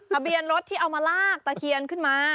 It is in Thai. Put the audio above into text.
ทะเบียนรถที่เอามาลากตะเคียนขึ้นมา